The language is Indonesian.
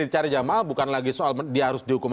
dicari jamaah bukan lagi soal dia harus dihukum